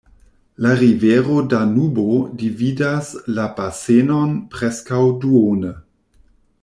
La rivero Danubo dividas la basenon preskaŭ duone.